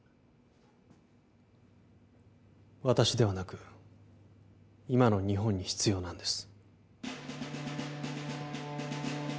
私ではなく今の日本に必要なんです